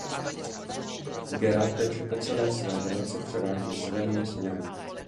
Gera teče po celé své délce převážně severním směrem.